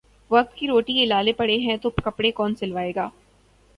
وقت کی روٹی کے لالے پڑے ہیں تو کپڑے کون سلوائے گا